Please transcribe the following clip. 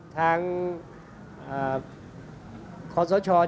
ทางครอสชา